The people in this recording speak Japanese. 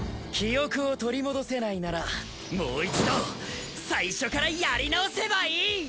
記憶を取り戻せないならもう一度最初からやり直せばいい！